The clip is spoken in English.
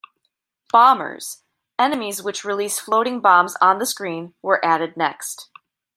"Bombers", enemies which release floating bombs on the screen, were added next.